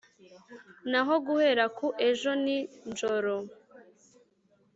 naho guhera ku ejo ni njoro